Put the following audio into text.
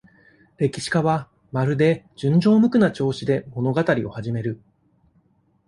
歴史家は、まるで、純情無垢な調子で、物語を始める。